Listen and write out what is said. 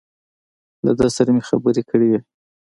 له ده سره مې خبرې کړې وې.